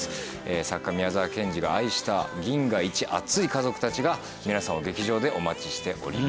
作家宮沢賢治が愛した銀河一アツい家族たちが皆さんを劇場でお待ちしております。